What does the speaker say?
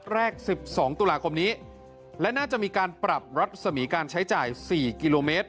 แรก๑๒ตุลาคมนี้และน่าจะมีการปรับรัศมีการใช้จ่าย๔กิโลเมตร